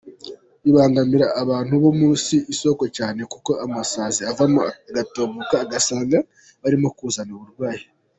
Bibangamira abantu bo mu isoko cyane kuko amasazi avamo agatumuka ugasanga birimo kuzana uburwayi”.